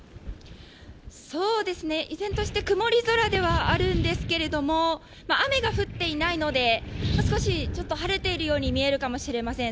依然として曇り空ではあるんですけども、雨が降っていないので少し晴れているように見えるかもしれません。